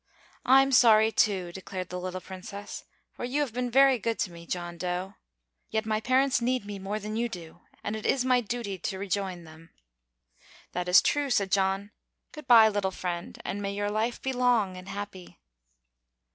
"I'm sorry, too," declared the little Princess, "for you have been very good to me, John Dough. Yet my parents need me more than you do, and it is my duty to rejoin them." "That is true," said John. "Good bye, little friend, and may your life be long and happy."